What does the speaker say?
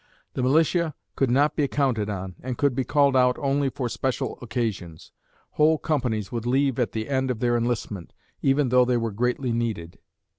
The militia could not be counted on and could be called out only for special occasions. Whole companies would leave at the end of their enlistment, even though they were greatly needed.